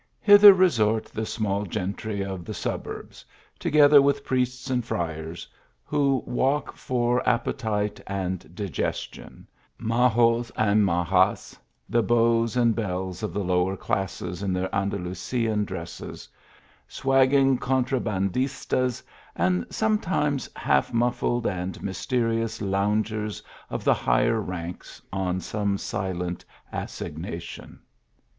Hither resort the small gentry of the suburbs, together with priests and friars who walk for appetite and digestion ; majos and majas, the beaux and belles of the lower classes in their Anda lusian dresses ; swaggering contraband istas, and sometimes half muffled and mysterious loungers of the higher ranks, on some silent assignation.